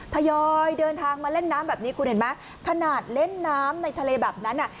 ทยอยเดินทางมาเล่นน้ำแบบนี้คุณเห็นไหมขนาดเล่นน้ำในทะเลแบบนั้นอ่ะ